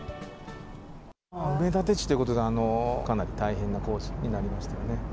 埋め立て地ということで、かなり大変な工事になりましたね。